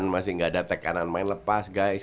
masih gak ada tekanan main lepas guys